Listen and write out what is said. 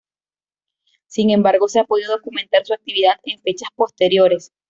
Sin embargo, se ha podido documentar su actividad en fechas posteriores.